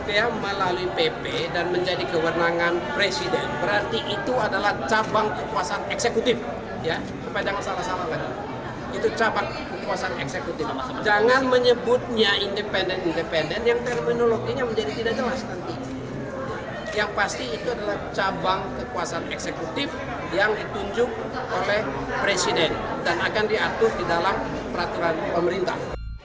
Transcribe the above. yang ditunjuk oleh presiden dan akan diatur dalam peraturan pemerintah